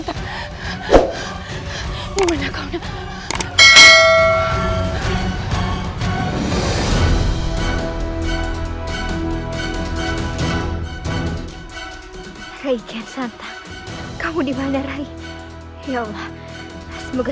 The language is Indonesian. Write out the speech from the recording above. akanku siksa kau terlebih dahulu